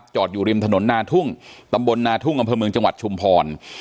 จอดอยู่ริมถนนนาทุ่งตำบลนาทุ่งอำเภอเมืองจังหวัดชุมพร